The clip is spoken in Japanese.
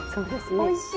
おいしい！